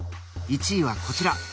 １位はこちら！